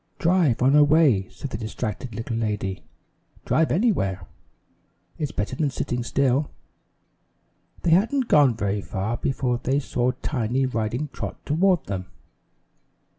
"Drive on a way," said the distracted little lady. "Drive anywhere. It's better than sitting still." They hadn't gone very far before they saw Tiny riding Trot toward them.